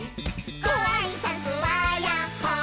「ごあいさつはやっほー☆」